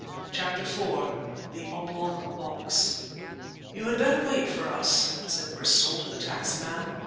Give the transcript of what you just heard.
CHAPTER IV THE OBLONG BOX "You had better wait for us," said Bristol to the taxi man.